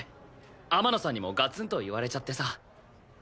天野さんにもガツンと言われちゃってさ。